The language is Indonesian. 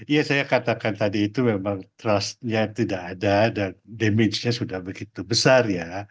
ya saya katakan tadi itu memang trustnya tidak ada dan damage nya sudah begitu besar ya